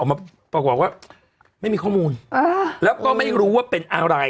มาปรากฏว่าไม่มีข้อมูลแล้วก็ไม่รู้ว่าเป็นอะไร